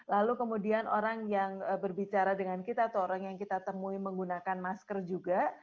lalu kemudian orang yang berbicara dengan kita atau orang yang kita temui menggunakan masker juga